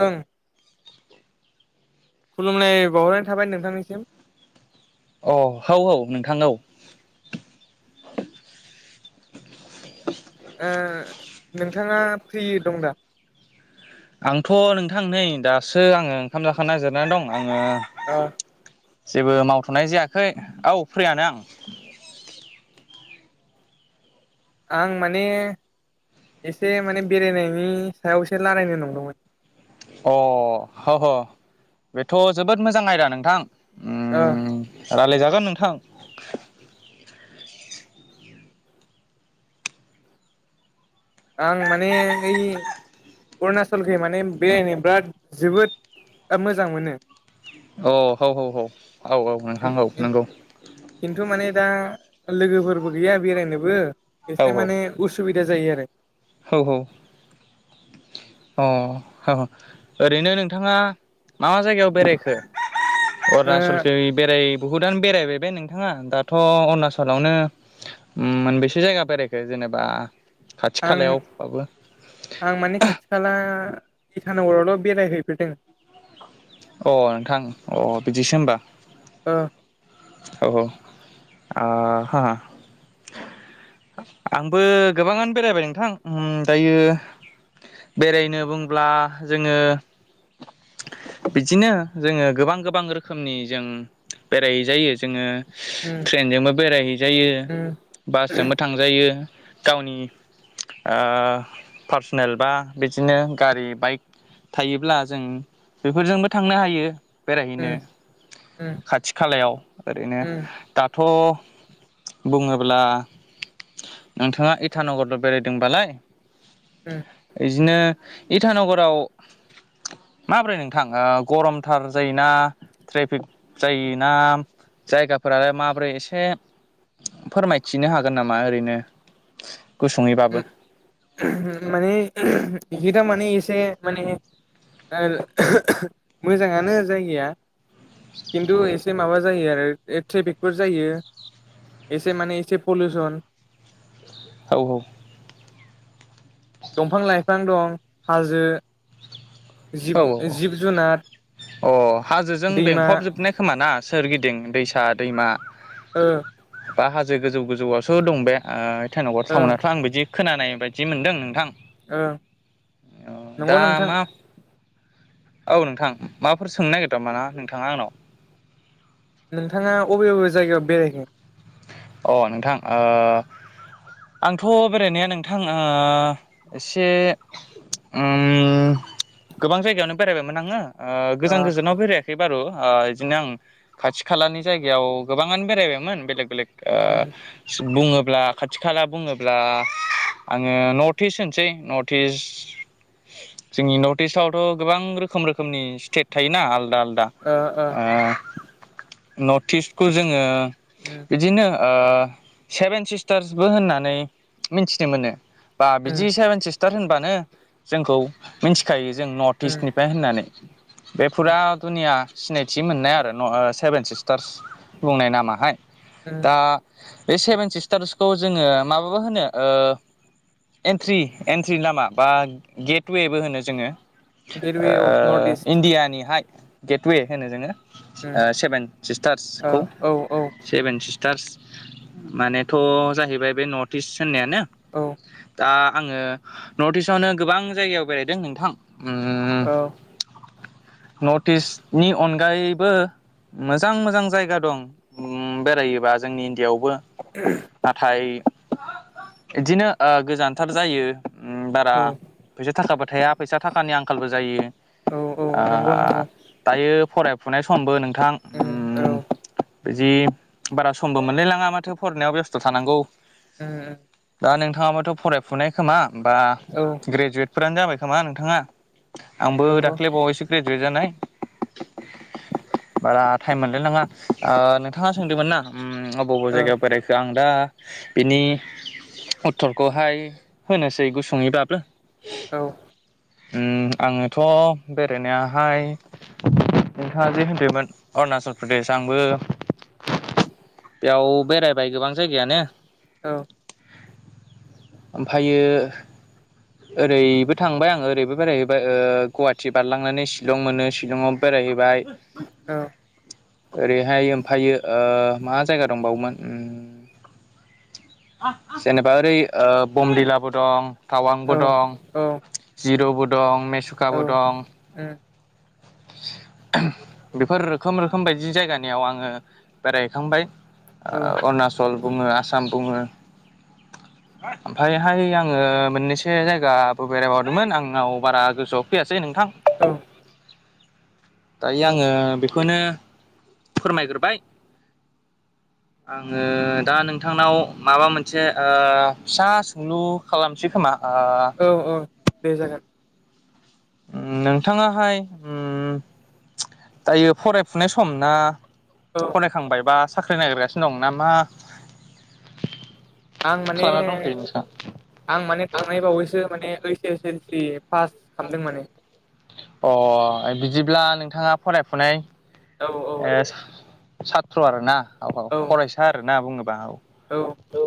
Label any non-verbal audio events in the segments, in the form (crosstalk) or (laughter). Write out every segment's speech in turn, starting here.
ओं। खुलुमनाय बावहरनाय थाबाय नोंथांनिसिम। अ' होव होव नोंथां औ। ओ नोंथाङा फ्रि दं दा? आंथ' नोंथां नै दासो आङो ओंखाम जाखांना जिरायनानै दं आं। आङो ओ जेबो मावथ'नाय जायाखै औ फ्रियानो आं। आं माने एसे माने बेरायनायनि सायावसो रालायनो नंदोंमोन। अ ह ह बेथ' जोबोद मोजां आयदा नोंथां ओ उम रालायजाग जागोन नोंथां। आं माने हैय अरुणाचलखै माने बेरायनो बिराद जोबोद मोजां मोनो। अ हौ हौ हौ औ औ नोंथां औ नंगौ खिन्थु माने दा लोगोफोरबो गैया बेरायनोबो एसे माने उसुबिदा जायो आरो। होव होव। ओरैनो नोंथाङा मा जायगायाव बेरायखो ओ अरुणाचलखै बेराय बहुदआनो बेरायबायबे नोंथाङा दाथ' अरुणाचलावनो मोनबेसे जायगा बेरायखो जों जेनेबा खाथि आं खालायावबाबो आं माने खाथि खाला इटानगरावल' बेरायहैफेरदों। अ नोंथां अ बिदिसो होमबा। ओ। औ आ हा। आंबो गोबाङानो बेरायबाय नोंथां ओम दायो। बेरायनो बुंब्ला जोङो (inaudible) बिदिनो जोङो गोबां गोबां रोखोमनि जों बेराय जायो जोङो उम ट्रेनजोंबो बेरायहैजायो उम बासजोंबो यो गावनि पार्सनेल बा बिदिनो गारि बाइक थायोब्ला जों बेफोरजोंबो थांनो हायो बेरायहैनो उम उम खाथि खालायाव ओरैनो उम दाथ' बुङोब्ला नोंथाङा इटानगरल' बेरायदोंबालाय होम बिदिनो इटानगराव माब्रै नोंथां ओ गरमथार जायो ना ट्रेफिक जायोना जायगाफोरालाय माबोरै एसे फोरमायथिनो हागोन मा ओरैनो गुसुङैबाबो माने इ थारमाने इसे माने मोजाङानो जायगाया खिन्थु एसे माबा जायो आरो ट्रेफिकफोर जायो एसे माने एसे पलिउसन औ औ दंफां लाइफां दं हाजो जिब औ औ जिब जुनार औ अ' हाजोजों दैमा बेंफबजोबनाय खोमा ना? सोरगिदिं दैसा दैमा ओ बा हाजो गोजौ गोजौआसो दं आ बे इटानगर ओं टाउनाथ' आं बिदि खोनानाय बायदि मोनदों नोंथां ओ नंगौ दा नोंथां मा औ नोंथां माबाफोर सोंनो नागिरदों नामा ना नोंथाङा आंनाव? नोंथाङा अबे अबे जायगायाव बेरायगोन? अ नोंथां आ आंथ' बेरायनाया नोंथां आ एसे उम (inaudible) गोबां जायगायावनो बेरायबायमोन आङो आ गोजान ओ गोजानाव बेरायाखै बारु आ बिदिनो आं खाथि खालानि जायगायाव गोबाङानो बेरायबायमोन बेलेग बेलेग उम ओ बुङोब्ला खाथि खाला बुङोब्ला आङो नर्ट इस्ट होनसै नर्ट इस्ट जोंनि नर्थ इस्टवथ' गोबां रोखोम रोखोमनि स्टेट थायोना आलदा आलदा ओ ओ आलदा आ नर्थ इस्टखौ जोङो उम बिदिनो ओ सेभेन सिस्टारसबो होननानै मिथिनो मोनो बा उम बिदि सेभेन सिस्टार होनबानो जोंखौ मिथिखायो। जों नर्थ उम इस्टनिफ्राय होननानै बे फुरा दुनिया सिनायथि मोननाय न'आरो सेभेन सिस्टार्स बुंनाय नामाहाय उम दा बे सेभेन सिस्टार्सखौ जोङो माबाबा होनो ओ एन्ट्रि एन्ट्रि लामा बा गेटवेबो होनो जोङो गेटवे अफ नर्थ इस्ट ओ इण्डियानिहाय गेटवे होनो जोङो। उम आ सेभेन ओ सिस्टार्सखौ औ औ सिस्टारस मानेथ' जाहैबाय बे नर्थ इस्ट होननायानो औ दा आङो नर्थ इस्टआवनो गोबां जायगायाव बेरायदों नोंथां उम औ नर्थ इस्टनि अनगायैबो मोजां मोजां जायगा दं बेरायोबा जोंनि इण्डियायावबो नाथाय बिदिनो गोजानथार जायो बारा औ फैसा थाखाबो थाया फैसा थाखानि आंखालबो जायो ओ औ औ नंगौ नंगौ दायो फरायफुनाय समबो नों उम औ बिदि बारा समबो मोनलाय लाङा माथो फरायनायाव बेस्थ' थानांगौ। उम उम दा नोंथाङाबाथ' फरायफुनाय खोमा बा औ ग्रेजुवेटफोरानो जाबाय खोमा नोंथाङा! आंबो नंगौ दाख्लै बावैसो ग्रेजुवेट जानाय। (unintelligible) बारा टाइम मोनलाय लाङा ओ नोंथाङा सोंदोंमोन ना अबे बबे औ जायगायाव बेरायखो आं दा बिनि उत्तरखौहाय होनोसै गुसुंङैबाबो औ उम आङोथ' बेरायनायाहाय नोंथाङा जे होनदोंमोन अरुणाचल प्रदेश आं आंबो बेयाव बेरायबाय गोबां जायगायानो औ ओमफ्रायो ओरैबो थांबाय आङो ओरैबो बेरायहैबाय ओ गुवाहाटि बारलांनानै शिलं मोनो शिलंआव बे रायहैबाय औ बेहाय ओमफायो ओ मा जायगा दंबावोमोन उम जेनेबा ओरै ओ बमदिलाबो दं औ टावांबो दं उम औ जिर'बो दं मेसुखाबो दं बेफोर रोखोम रोखोम बाय दि जायगानियाव आङो बेरायहैखांबाय ओ अरुणचल बुङो आसाम बुङो (inaudible) ओमफ्रायहाय आङो मोननैसो जायगाबो बेरायबावदोंमोन आंनाव बारा गोसोआव फैयासै नोंथां। औ दायो औ आङो बेखौनो फोरमायग्रोबाय (inaudible) आङो दा नोंथांनाव माबा मोनसे ओ फिसा सोंलु खालामसै खोमा आ औ औ दे जागोन नोंथाङाहाय उम दायो फरायफुनाय सम ना औ फरायखांबाय बा साख्रि नागिरगासिनो दं नामा आं माने आं माने थांनाय बावैसो माने ओइस एस एल सि पास खालामदों माने अ बिदिब्ला नोंथाङा फरायफुनाय औ औ साथ्र' आरो ना औ औ फरायसा आरोना बुङोबा औ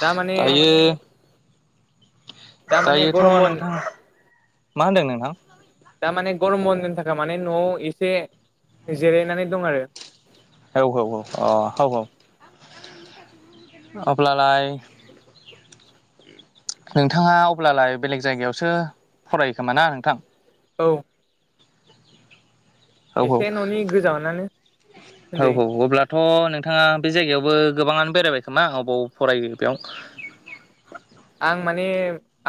दा माने दायो दा माने दायोथ' गरम बन्द नोंथां मा होनदों नोंथां दा माने गरम बन्दनि थाखाय माने न'आव एसे जिरायनानै दं आरो औ औ औ अ औ अब्लालाइ नोंथाङा अब्लालाय बेलेग जायगायावसो फरायो खोमा ना नोंथां? औ औ एसे न'नि गोजानानो औ होनजायो औ अब्लाथ' नोंथाङा बे जायगायावबो गोबाङानो बेरायबाय खोमा अबाव फरायो बेयाव आं माने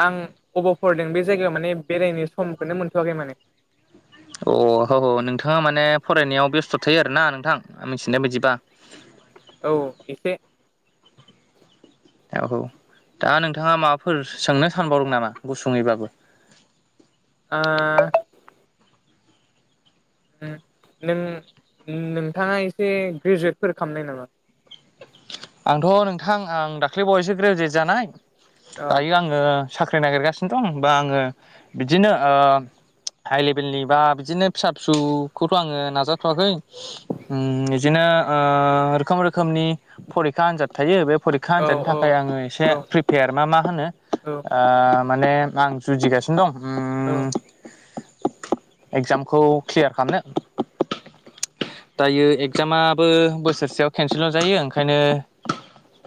आं अबाव फरायदों बे जायगायाव माने बेरायनो समखौनो मोनथ'आखै माने (inaudible) अ औ औ नोंथाङा माने फरायनायाव बेस्थ' थायो आरोना नोंथां आं मिथिनाय बादिबा? औ एसे। औ औ दा नोंथाङा माबाफोर सोंनो सानबावदों नामा गुसुङैब्लाबो? ओ। नों नोंथाङा एसे ग्रेजुवेटफोर खालामनाय नामा? आंथ' नोंथां आं दाख्लै बावयैसो ग्रेजुवेट जानाय। औ दायो आङो साख्रि नागिरगासिनो दं बा आङो बिदिनो ओ हाइ लेभेलनि बा बिदिनो फिसा फिसौखौथ' आङो नाजाथ'वाखै ओं इदिनो ओ रोखोम रोखोमनि फरिखा आनजाद थायो बे फरिखा औ आनजादनि थाखाय आङो एसे औ प्रिपेयार मा मा होनो औ ओ माने आं जुजिगासिनो दं। औ। एक्जामखौ क्लियार खालामनो। दायो एक्जामाबो बोसोरसेयाव खेनसेल जायो। ओंखायनो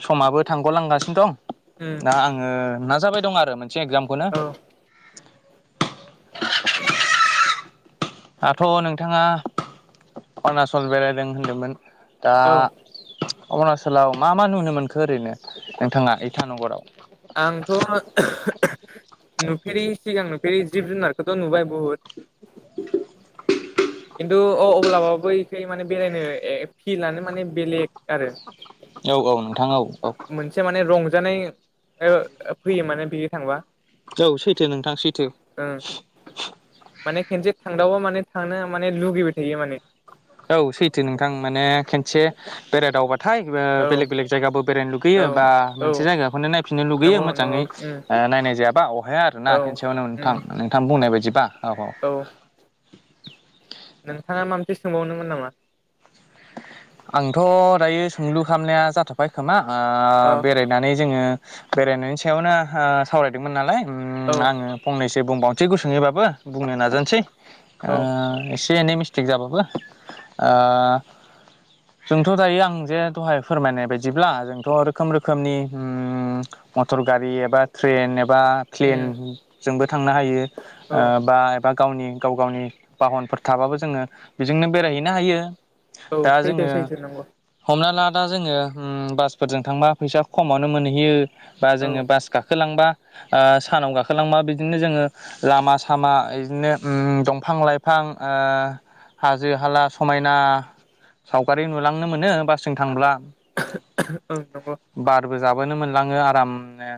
समाबो थांग'लांगासिनो दं उम दा आङो नाजाबाय दं आरो मोनसे एक्जामखौनो। औ (unintelligible) दाथ' नोंथाङा अरुणाचल बेरायदों होनदोंमोन। दा औ अरुणाचलाव मा मा नुनो मोनखो ओरैनो नोंथाङा इटानगराव? आंथ' नुफेरि सिगां नुफेरि जिब जुनारखौथ' नुबाय बहुट खिनटु (unintelligible) अब्लाबाबो एखाय माने बेरायनो ए पिलानो माने बेलेग आरो। औ औ नोंथां औ। औ मोनसे माने रंजानाय ओ फैयो माने बिजों थांबा। औ सैथो नोंथां सैथो। ओं माने खेनसे थांदावबा माने थांनो माने लुगैबाय थायो माने। औ सैथो नोंथां माने खेनसे बेरायदावबा थाय औ बेलेग बेलेग जायगाबो बेरायनो लुगैयो औ बा औ मोनसे जायगाखौनो नायफिननो लुगैयो नंगौ नंगौ मोजाङै उम नायनाय जायाबा अहाया आरोना औ खेनसेयावनो उम नोंथां नोंथां बुंनाय बायदिबा औ औ। नोंथाङा माबा मोनसे सोंबावदोंमोन नामा? आंथ' दायो सोंलु खालामनाया जाथ'बाय खोमा। ओ अ बेरायनानै जोङो बेरायनायनि सायावनो ओ सावरायदोंमोन नालाय। उम औ आङो फंनैसो बुंबावनोसै गुसुङैबाबो बुंनो नाजानोसै। ओ एसे एनै मिस्टेक जाबाबो ओ जोंथ' दायो आं जे दहाय फोरमायनाय बायदिब्ला जोंथ' रोखोम रोखोमनि उम मटर गारि एबा ट्रेन एबा उम प्लेनजोंबो थांनो हायो औ ओ बा एबा गावनि गाव गावनि बाहनफोर थाबाबो जोङो बेजोंनो बेरायहैनो हायो। औ दा सैथो जोङो सैथो नंगौ हमनाला दा जोङो उम बासफोरजों थांबा फैसा खमावनो मोनहैयो बा औ जोङो बास गाखोलांबा ओ सानाव गाखोलांबा बिदिनो जोङो लामा सामा बिदिनो उम दंफां लाइफां। ओ हाजो हाला समायना सावगारि नुलांनो मोनो बासजों थांब्ला। (unintelligible) बारबो जाबोनो मोनलाङो आरामनो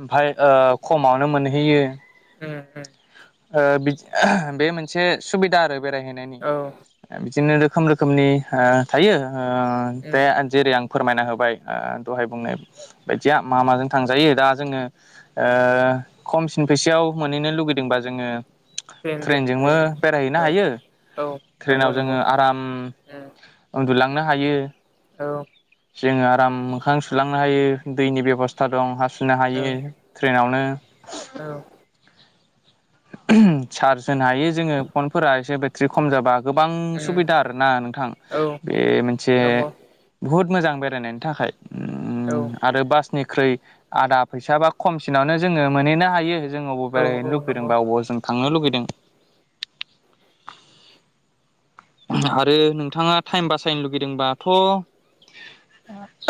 ओमफ्राय ओ खमावनो मोनहैयो। (unintelligible) ओ बि बे मोनसे सुबिदा आरो बेरायहैनायनि औ बिदिनो रोखोम रोखोमनि ओ थायो ओ उम दे जेरै आं फोरमायना होबाय ओ दहाय बुंनाय बायदिया मा माजों थांजायो दा जोङो ओ खमसिन फैसायाव मोनहैनो लुगैदोंबा जोङो ट्रेनजोंबो बेरायहैनो (unintelligible) औ औ नंगौ नंगौ आम उम उन्दुलांनो हायो औ जोङो आराम मोखां सुलांनो हायो दैनि बेब'स्था दं हासुनो औ हायो, ट्रेनावनो (unintelligible) चार्ज होनो हायो जोङो, फनफोरा एसे बेट्रि खम जाबा गोबां उम सुबिदा आरो ना नोंथां औ बे मोनसे नंगौ बुहुद मोजां बेरायनायनि थाखाय औ उम आरो बासनि ख्रै आदा फैसा बा खमसिनावनो जोङो मोनहैनो हायो जोंङो अबे औ बेरायनो औ लु नंगौ होदोंबा अबाव जों थांनो लुगैदों आरो नोंथाङा थाइम बासायनो लुगैदोंबाथ'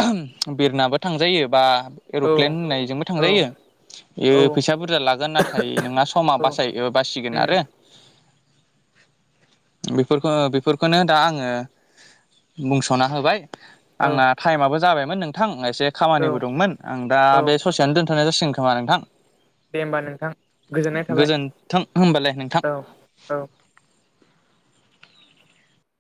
(unintelligible) बिरनाबो थांजायो बा औ एर'प्लेन होननायजोंबो औ थांजायो बेयो फैसा बुरजा लागोन नाथाय नोंना समा बासाय बासिगोन उम आरो (unintelligible) फोरखो बेफोरखोनो दा आङो बुंस'ना होबाय औ आंना थाइमाबो जाबाय मोन नोंथां एसे खामानिबो औ दंमोन, आं दा औ बे ससेयावनो दोनथ'नाय जासिगोन खोमा नोंथां दे होमबा नोंथां गोजोननाय थाबाय गोजोन्थों होनबालाय नोंथां औ औ